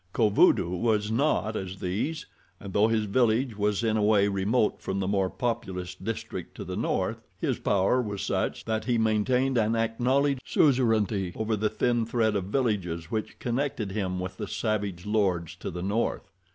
Kovudoo was not as these, and though his village was in a way remote from the more populous district to the north his power was such that he maintained an acknowledged suzerainty over the thin thread of villages which connected him with the savage lords to the north.